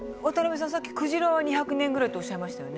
さっきクジラは２００年ぐらいっておっしゃいましたよね？